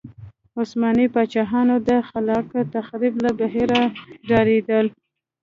عثماني پاچاهان د خلاق تخریب له بهیره ډارېدل.